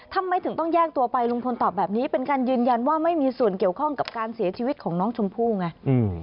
ทำไมถึงต้องแยกตัวไปลุงพลตอบแบบนี้เป็นการยืนยันว่าไม่มีส่วนเกี่ยวข้องกับการเสียชีวิตของน้องชมพู่ไง